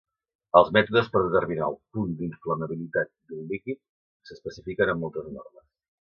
Els mètodes per determinar el punt d'inflamabilitat d'un líquid s'especifiquen en moltes normes.